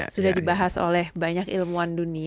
sudah dibahas oleh banyak ilmuwan dunia